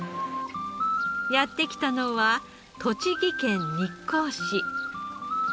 やってきたのは栃木県日光市。